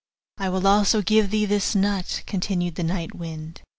I will also give thee this nut,' continued the night wind.